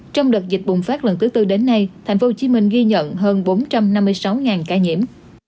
trong đợt dịch bùng phát lần thứ tư đến nay thành phố hồ chí minh ghi nhận hơn bốn trăm năm mươi sáu ca nhiễm